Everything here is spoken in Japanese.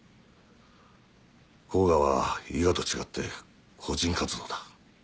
甲賀は伊賀と違って個人活動だ。